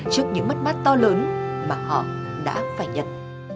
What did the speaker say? trước những mất mát to lớn mà họ đã phải nhận